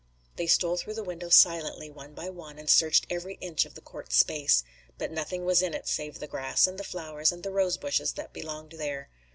They stole through the window silently, one by one, and searched every inch of the court's space. But nothing was in it, save the grass and the flowers and the rosebushes that belonged there.